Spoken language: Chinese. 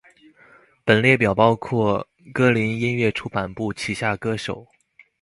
本列表包括歌林音乐出版部旗下歌手。